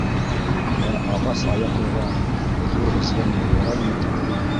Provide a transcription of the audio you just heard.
- Ә ағас аяҡлыға ҙур звание ярай микән?